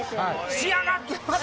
仕上がってますよ。